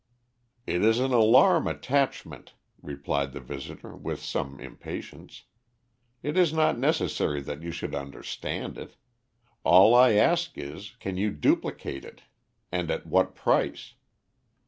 "It is an alarm attachment," replied the visitor, with some impatience. "It is not necessary that you should understand it. All I ask is, can you duplicate it and at what price?"